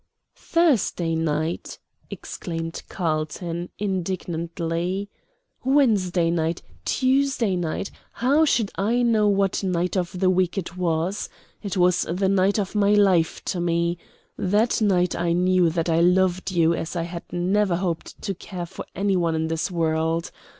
"Thursday night!" exclaimed Carlton, indignantly. "Wednesday night, Tuesday night, how should I know what night of the week it was? It was the night of my life to me. That night I knew that I loved you as I had never hoped to care for any one in this world.